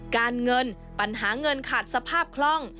การเงินปัญหาเงินขาดสภาพคล่อง